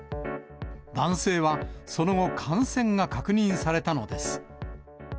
男性はその後、感染が確認されたのです。